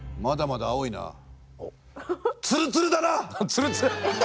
ツルツル。